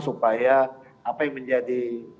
supaya apa yang menjadi